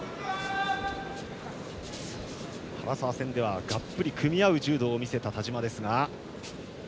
原沢戦では、がっぷり組み合う柔道を見せた田嶋。